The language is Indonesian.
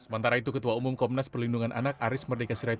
sementara itu ketua umum komnas perlindungan anak aris merdeka sirait